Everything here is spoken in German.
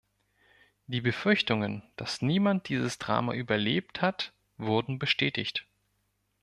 Die Befürchtungen, dass niemand dieses Drama überlebt hat, wurden bestätigt.